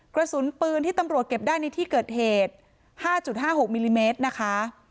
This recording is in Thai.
กระสุนปืนที่ตำรวจเก็บได้ในที่เกิดเหตุ๕๕๖มิลลิเมตรนะคะ